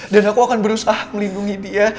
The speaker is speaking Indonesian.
dan aku akan berusaha melindungi dia